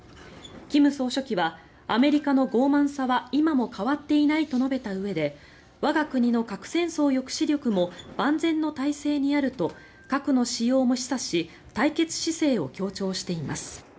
金総書記はアメリカのごう慢さは今も変わっていないと述べたうえで我が国の核戦争抑止力も万全の態勢にあると核の使用も示唆し対決姿勢を強調しています。